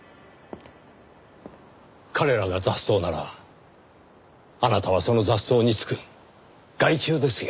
彼らが雑草ならあなたはその雑草につく害虫ですよ。